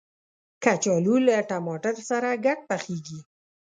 کچالو له ټماټر سره ګډ پخیږي